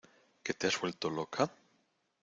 ¿Que te has vuelto loca?